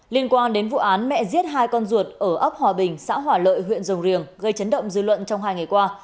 liên quan đến vụ án mẹ giết hai con ruột ở ấp hòa bình xã hòa lợi huyện rồng riềng gây chấn động dư luận trong hai ngày qua